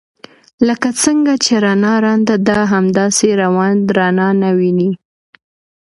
لکه څنګه چې رڼا ړنده ده همداسې ړوند رڼا نه ويني.